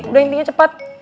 udah intinya cepet